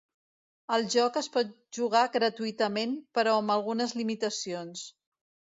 El joc es pot jugar gratuïtament, però amb algunes limitacions.